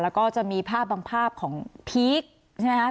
แล้วก็จะมีภาพบางภาพของพีคใช่ไหมครับ